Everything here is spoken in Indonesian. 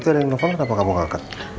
itu ada yang nelfon kenapa elak